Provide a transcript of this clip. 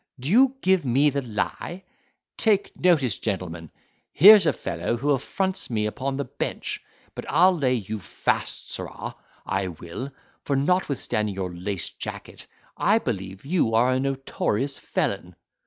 Do you give me the lie? Take notice, gentlemen, here's a fellow who affronts me upon the bench but I'll lay you fast, sirrah, I will—for notwithstanding your laced jacket, I believe you are a notorious felon."